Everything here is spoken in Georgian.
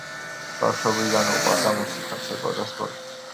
ბავშობიდან უყვარდა მუსიკა, ცეკვა და სპორტი.